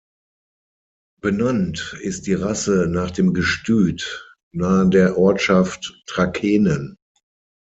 Benannt ist die Rasse nach dem Gestüt nahe der Ortschaft Trakehnen.